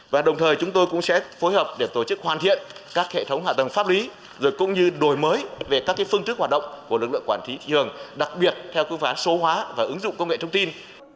và đồng thời chúng tôi cũng sẽ phối hợp để tổ chức hoàn thiện các hệ thống hạ tầng pháp lý rồi cũng như đổi mới về các phương thức hoạt động của lực lượng quản lý thị trường đặc biệt theo cơ phán số hóa và ứng dụng công nghệ thông tin